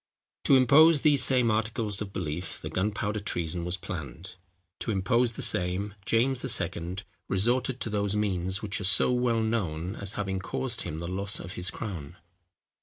To impose these same articles of belief the Gunpowder Treason was planned! To impose the same, James II. resorted to those means, which are so well known as having caused him the loss of his crown.